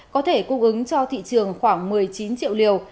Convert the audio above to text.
có thể cung ứng cho thị trường khoảng một mươi chín triệu liều